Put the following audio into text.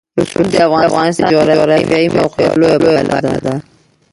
رسوب د افغانستان د جغرافیایي موقیعت یوه لویه پایله ده.